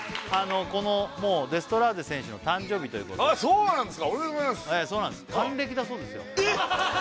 このデストラーデ選手の誕生日ということでそうなんですかおめでとうございますえっ！？